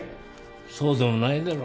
そうでもないだろ。